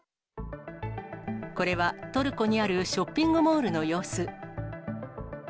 これはトルコにあるショッピングモールの様子。